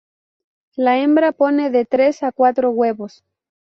La hembra pone de tres a cuatro huevos.